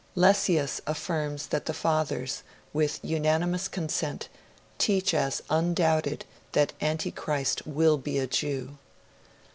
Lessius affirms that the Fathers, with unanimous consent, teach as undoubted that Antichrist will be a Jew.